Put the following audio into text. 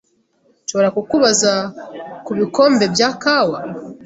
Nshobora kukubabaza kubikombe bya kawa?